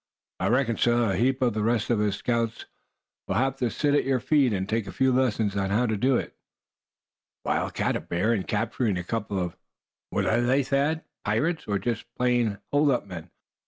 I reckon, suh, a heap of the rest of us scouts'll have to sit at your feet, and take a few lessons on how to do it." "A wild cat; a bear; and capturing a couple of what are they, Thad, pirates, or just plain hold up men?